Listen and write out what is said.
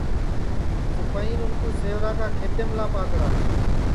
سپائین اُن کُو سیوراکا کھیتیملا پاکڑا